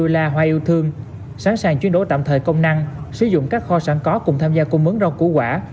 la hoa yêu thương sẵn sàng chuyển đổi tạm thời công năng sử dụng các kho sản có cùng tham gia cung mướn rau cua quả